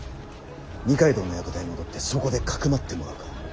二階堂の館へ戻ってそこで匿ってもらうか。